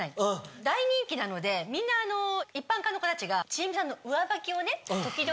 大人気なのでみんな一般科の子たちがちえみさんの上履きをね時々。